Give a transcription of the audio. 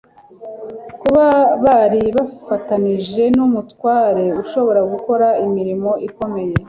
Kuba bari bafatanije n'Umutware ushobora gukora imirimo ikomeye